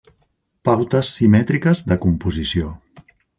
Pautes simètriques de composició.